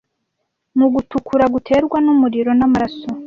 mu gutukura guterwa n'umuriro n'amaraso